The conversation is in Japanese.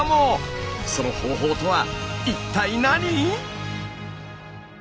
その方法とは一体何？